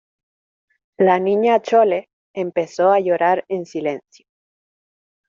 la Niña Chole empezó a llorar en silencio